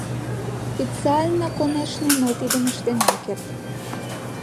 Официально, конешне, мый тидым ыштен ом керт.